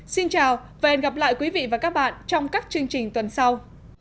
xin chào và hẹn gặp lại quý vị và các bạn trong các chương trình tuần sau